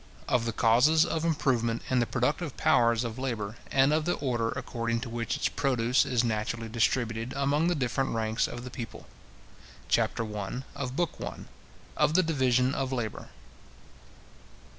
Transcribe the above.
OF THE CAUSES OF IMPROVEMENT IN THE PRODUCTIVE POWERS OF LABOUR, AND OF THE ORDER ACCORDING TO WHICH ITS PRODUCE IS NATURALLY DISTRIBUTED AMONG THE DIFFERENT RANKS OF THE PEOPLE. CHAPTER I. OF THE DIVISION OF LABOUR.